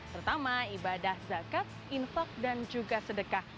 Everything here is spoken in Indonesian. terutama ibadah zakat infak dan juga sedekah